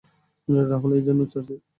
রাহুল, এই জন্য ছাড়ছি।